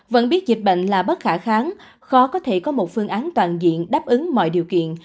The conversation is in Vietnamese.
vẫn biết dịch bệnh là bất khả kháng khó có thể có một phương án toàn diện đáp ứng mọi điều kiện